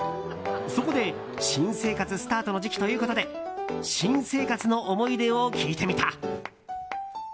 そこで新生活スタートの時期ということで新生活の思い出を聞いてみた。